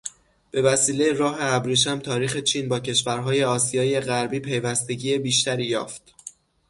بوسیلهٔ راه ابریشم تاریخ چین با کشورهای آسیای غربی پیوستگی بیشتری یافت.